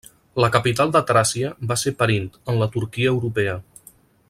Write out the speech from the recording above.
La capital de Tràcia va ser Perint, en la Turquia europea.